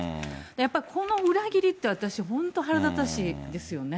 やっぱりこの裏切りって、私、本当腹立たしいですよね。